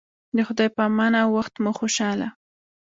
د خدای په امان او وخت مو خوشحاله